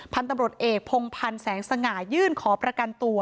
พันธุ์ตำรวจเอกพงพันธ์แสงสง่ายื่นขอประกันตัว